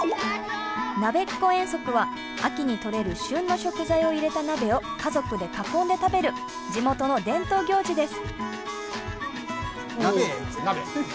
なべっこ遠足は秋に取れる旬の食材を入れた鍋を家族で囲んで食べる地元の伝統行事です。